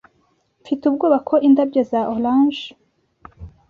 Mfite ubwoba ko indabyo za orange